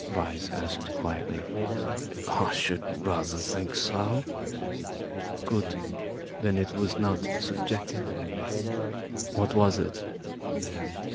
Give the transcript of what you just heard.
Vyse asked quietly. "I should rather think so." "Good; then it was not subjective. What was it?"